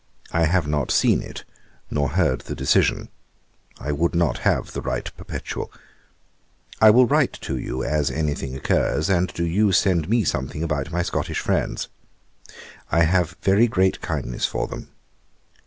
I have not seen it, nor heard the decision. I would not have the right perpetual. 'I will write to you as any thing occurs, and do you send me something about my Scottish friends. I have very great kindness for them.